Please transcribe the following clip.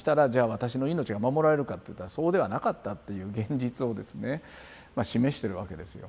私の命が守られるかっていったらそうではなかったっていう現実をですね示してるわけですよ。